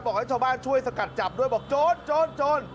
ให้ชาวบ้านช่วยสกัดจับด้วยบอกโจรโจรโจร